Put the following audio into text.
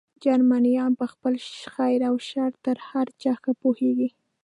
جرمنیان په خپل خیر او شر تر هر چا ښه پوهېږي.